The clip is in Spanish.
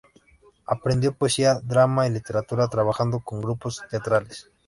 Aprendió poesía, drama y literatura trabajando con grupos teatrales.